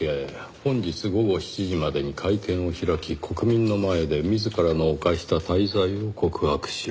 「本日午後７時までに会見を開き国民の前で自らの犯した大罪を告白しろ」